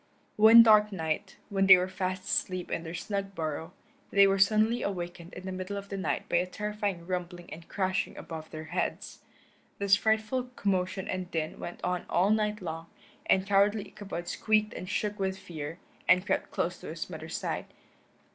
One dark night, when they were fast asleep in their snug burrow, they were suddenly awakened in the middle of the night by a terrific rumbling and crashing above their heads. This frightful commotion and din went on all night long, and cowardly Ichabod squeaked and shook with fear, and crept close to his mother's side.